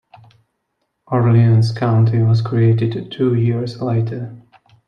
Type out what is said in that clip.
Orleans County was created two years later.